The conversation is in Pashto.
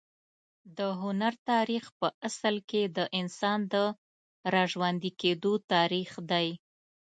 د هنر تاریخ په اصل کې د انسان د راژوندي کېدو تاریخ دی.